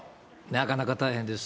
なかなか大変です。